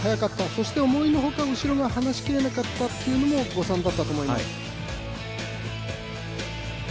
そして思いのほか、後ろが離しきれなかったというのも誤算だったと思います。